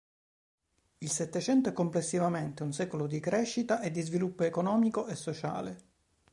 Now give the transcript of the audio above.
Il Settecento è, complessivamente, un secolo di crescita e di sviluppo economico e sociale.